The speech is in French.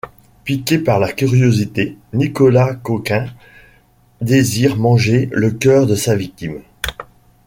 Piqué par la curiosité, Nicolas Cocaign désire manger le cœur de sa victime.